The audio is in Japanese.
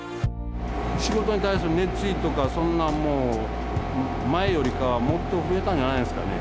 仕事に対する熱意とかそんなんもう前よりかはもっと増えたんじゃないですかね。